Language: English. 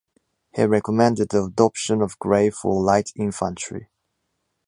He recommended the adoption of gray for light infantry.